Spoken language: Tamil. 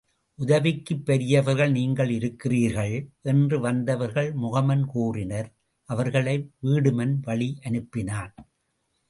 உதவிக்குப் பெரியவர்கள் நீங்கள் இருக்கிறீர்கள், என்று வந்தவர்கள் முகமன் கூறினர் அவர்களை வீடுமன் வழி அனுப்பினான்.